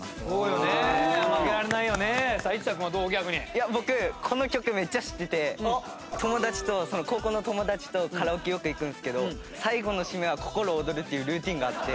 いや僕この曲めっちゃ知ってて友達と高校の友達とカラオケよく行くんですけど最後の締めは『ココロオドル』っていうルーティンがあって。